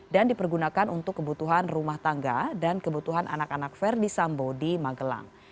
dan dipergunakan untuk kebutuhan rumah tangga dan kebutuhan anak anak verdi sambo di magelang